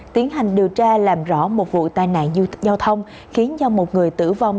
tiến hành điều tra làm rõ một vụ tai nạn du thích giao thông khiến do một người tử vong